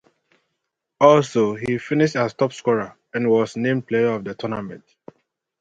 Also, he finished as top scorer and was named player of the tournament.